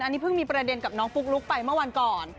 อันนี้เพิ่งมีประเด็นกับน้องปุ๊กลุ๊กไปเมื่อวันก่อน